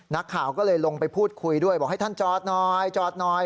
นักข่าวก็เลยลงไปพูดคุยด้วยบอกให้ท่านจอดหน่อยจอดหน่อย